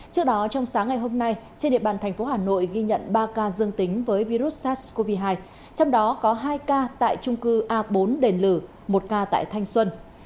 trước đó trong sáng ngày hôm nay trên địa bàn thành phố hà nội ghi nhận ba ca dương tính với virus sars cov hai trong đó có hai ca tại trung cư a bốn đền lử một ca tại thanh xuân